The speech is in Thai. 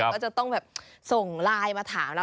ก็จะต้องแบบส่งไลน์มาถามเรา